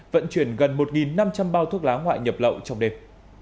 vận chuyển gần một năm trăm linh bao thuốc lá ngoại nhập lậu trong đêm